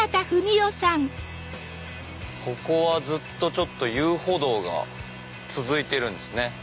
ここはずっと遊歩道が続いてるんですね。